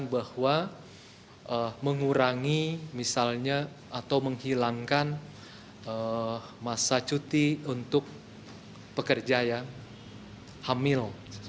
bahwa mengurangi misalnya atau menghilangkan masa cuti untuk pekerja yang hamil